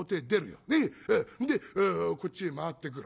でこっちに回ってくる。